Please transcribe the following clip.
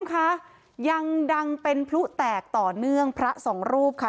คุณผู้ชมคะยังดังเป็นพลุแตกต่อเนื่องพระสองรูปค่ะ